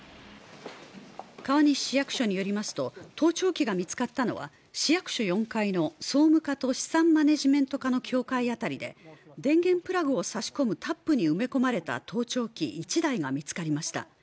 川西市役所によりますと盗聴器が見つかったのは市役所４階の総務課と資産マネジメント課の境界辺りで電源プラグを差し込むタップに埋め込まれた盗聴器１台が見つかりました。